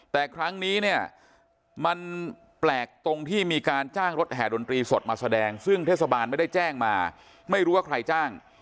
แต่ครั้งนี้เนี่ยมันแปลกตรงที่มีการจ้างรถแห่ดนตรีสดมาแสดงซึ่งเทศบาลไม่ได้แจ้งมาไม่รู้ว่าใครจ้าง